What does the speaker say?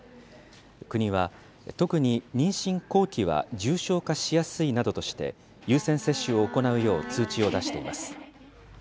国は、特に妊娠後期は重症化しやすいなどとして、優先接種を行うよう通知を出しています。